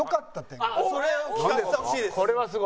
それを聞かせてほしいです。